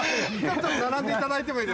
並んでいただいてもいい？